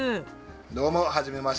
どうも初めまして。